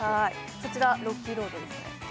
そちらロッキーロードですね